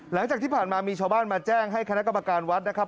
หลังจากที่ผ่านมามีชาวบ้านมาแจ้งให้คณะกรรมการวัดนะครับ